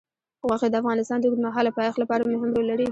غوښې د افغانستان د اوږدمهاله پایښت لپاره مهم رول لري.